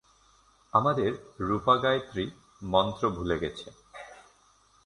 আমাদের রুপা গায়েত্রী মন্ত্র ভুলে গেছে।